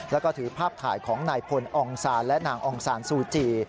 แล้วก็ถือภาพถ่ายของนายพลองซานและนางองซานซูจี